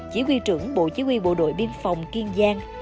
chỉ huy trưởng bộ chỉ huy bộ đội biên phòng kiên giang